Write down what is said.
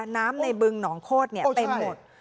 น้ำในบึงหนองโคตรเต็มหมด